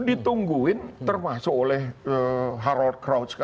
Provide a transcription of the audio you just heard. ditungguin termasuk oleh harald krauts